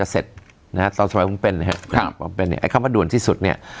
บอกเป็นเนี่ยไอ้คำว่าด่วนที่สุดเนี่ย